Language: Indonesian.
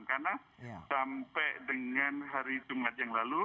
karena sampai dengan hari tumad yang lalu